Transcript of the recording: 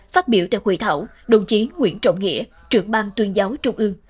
phát biểu theo hội thảo đồng chí nguyễn trọng nghĩa trưởng bang tuyên giáo trung ương